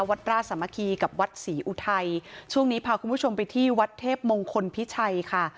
วัดราชสามัคคีกับวัดศรีอุทัยช่วงนี้พาคุณผู้ชมไปที่วัดเทพมงคลพิชัยค่ะ